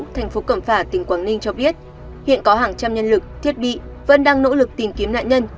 thành phố cẩm phả tỉnh quảng ninh cho biết hiện có hàng trăm nhân lực thiết bị vẫn đang nỗ lực tìm kiếm nạn nhân